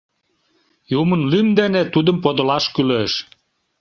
— Юмын лӱм дене тудым подылаш кӱлеш.